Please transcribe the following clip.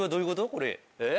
これえぇ？